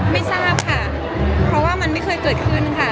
ไม่ทราบค่ะเพราะว่ามันไม่เคยเกิดขึ้นค่ะ